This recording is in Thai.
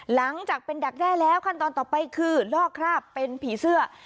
หลังจากเป็นดักแด้แล้วขั้นตอนต่อไปคือลอกคราบเป็นผีเสื้อ